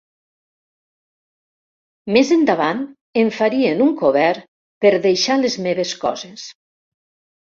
Més endavant em farien un cobert per deixar les meves coses.